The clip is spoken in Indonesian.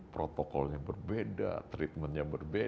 protokolnya berbeda treatmentnya berbeda